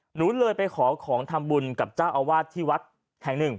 หนูเลยไปขอของทำบุญกับเจ้าอาวาสที่วัดแห่งหนึ่ง